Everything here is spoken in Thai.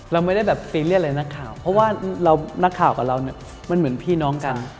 เราไม่ได้แบบซีเรียสอะไรนักข่าวเพราะว่านักข่าวกับเราเนี่ยมันเหมือนพี่น้องกัน